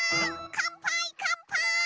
かんぱいかんぱい！